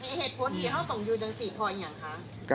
มีเหตุผลที่เขาต้องอยู่อย่างสิพออย่างไงครับ